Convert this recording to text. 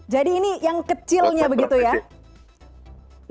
jadi ini yang kecilnya begitu ya